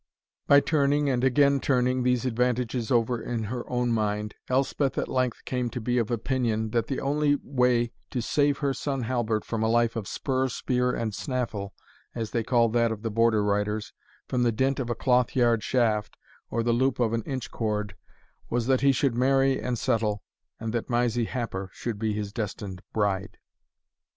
By turning and again turning these advantages over in her own mind, Elspeth at length came to be of opinion, that the only way to save her son Halbert from a life of "spur, spear, and snaffle," as they called that of the border riders, from the dint of a cloth yard shaft, or the loop of an inch cord, was, that he should marry and settle, and that Mysie Happer should be his destined bride.